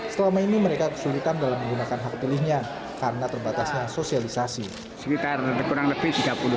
selama ini mereka kesulitan dalam menggunakan hak pilihnya karena terbatasnya sosialisasi